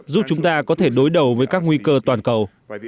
giúp chúng ta có thể đối đầu với các nguy cơ toàn cầu